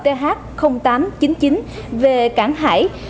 th tám trăm chín mươi chín về cảng hải